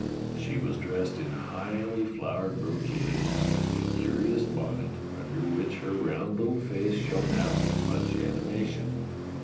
She was dressed in highly flowered brocades, with a curious bonnet, under which her round little face shone out with much animation.